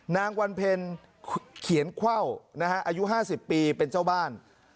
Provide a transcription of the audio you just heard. นางวันเพ็ญเขียนเข้าอายุ๕๐ปีเป็นเจ้าบ้าน